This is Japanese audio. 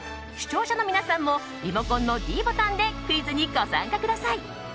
視聴者の皆さんもリモコンのｄボタンでクイズにご参加ください。